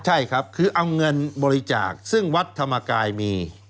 ใช่ครับคือเอาเงินบริจาคซึ่งวัดธรรมกายมี